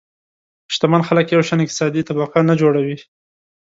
شتمن خلک یو شان اقتصادي طبقه نه جوړوي.